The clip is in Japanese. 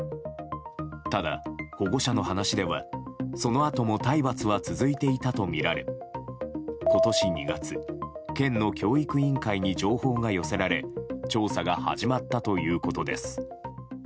ただ保護者の話では、そのあとも体罰は続いていたとみられ今年２月、県の教育委員会に情報が寄せられ調査が始まったということです。